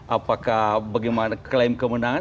apakah bagaimana klaim kemenangan